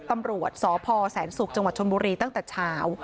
ตำรวจสพแสนสุกจชนบุรีตั้งแต่เช้า